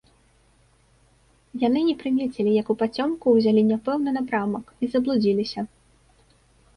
Яны не прымецілі, як упацёмку ўзялі няпэўны напрамак і заблудзіліся.